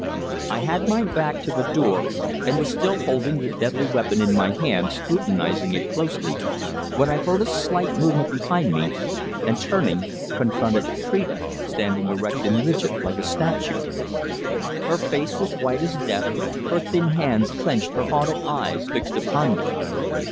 I had my back to the door, and was still holding the deadly weapon in my hand, scrutinising it closely, when I heard a slight movement behind me, and turning, confronted Phrida, standing erect and rigid, like a statue. Her face was white as death, her thin hands clenched, her haunted eyes fixed upon me.